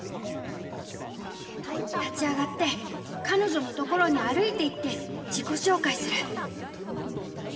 「立ち上がって彼女のところに歩いていって自己紹介する」。